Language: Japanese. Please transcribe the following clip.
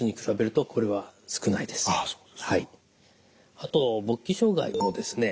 あと勃起障害もですね